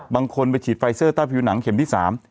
บางคนไปฉีดไฟเซอร์ใต้ผิวหนังเข็มที่สาม